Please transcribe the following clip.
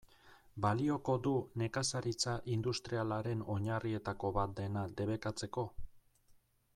Balioko du nekazaritza industrialaren oinarrietako bat dena debekatzeko?